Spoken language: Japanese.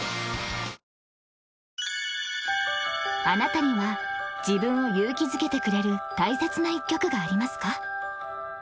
あなたには自分を勇気づけてくれる大切な１曲がありますか？